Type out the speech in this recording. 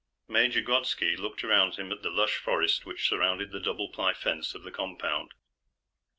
Major Grodski looked around him at the lush forest which surrounded the double ply fence of the compound.